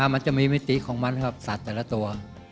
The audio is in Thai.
มันจะมีมิติของมันครับสัตว์แต่ละตัว